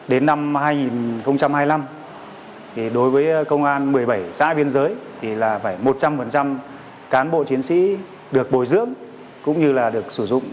đến năm hai nghìn hai mươi năm đối với công an một mươi bảy xã biên giới thì phải một trăm linh cán bộ chiến sĩ được bồi dưỡng